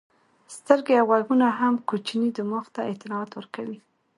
سترګې او غوږونه هم کوچني دماغ ته اطلاعات ورکوي.